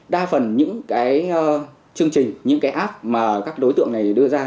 đa phần những chương trình những app mà các đối tượng này đưa ra